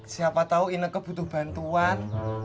siapa tahu ineke butuh bantuan